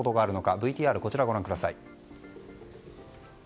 ＶＴＲをご覧ください。